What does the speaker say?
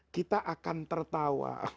kita akan tertawa